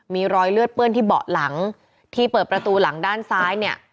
มีรอยเลือดเปื้อนที่เบาะหลังที่เปิดประตูหลังด้านซ้ายเนี่ย